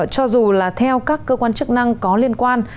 cho dù là theo các cơ quan chức năng có liên quan